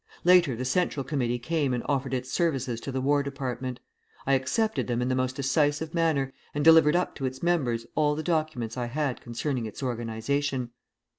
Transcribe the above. Later the Central Committee came and offered its services to the War Department. I accepted them in the most decisive manner, and delivered up to its members all the documents I had concerning its organization.